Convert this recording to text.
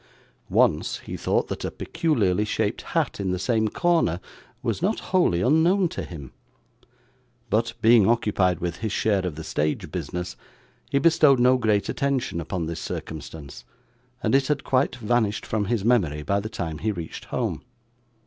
Once, he thought that a peculiarly shaped hat in the same corner was not wholly unknown to him; but, being occupied with his share of the stage business, he bestowed no great attention upon this circumstance, and it had quite vanished from his memory by the time he reached home.